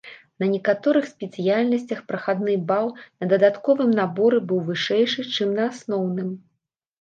На некаторых спецыяльнасцях прахадны бал на дадатковым наборы быў вышэйшы, чым на асноўным.